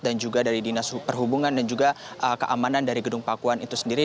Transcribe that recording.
juga dari dinas perhubungan dan juga keamanan dari gedung pakuan itu sendiri